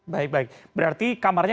baik baik berarti kamarnya